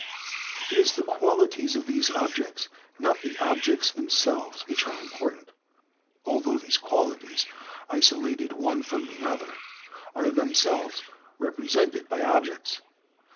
It is the qualities of the objects, not the objects themselves which are important; although these qualities, isolated one from the other, are themselves represented by objects.